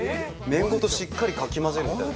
麺ごとしっかりかき混ぜるみたいです。